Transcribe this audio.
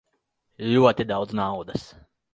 Ļoti daudz naudas.